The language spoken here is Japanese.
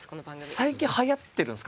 最近はやってるんですか？